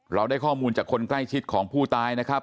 เราได้ข้อมูลจากคนใกล้ชิดของผู้ตายนะครับ